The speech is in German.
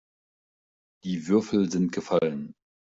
Die Würfel sind gefallen.